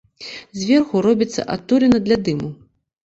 Зверху робіцца адтуліна для дыму.